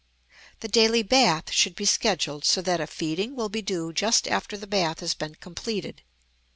The daily bath should be scheduled so that a feeding will be due just after the bath has been completed.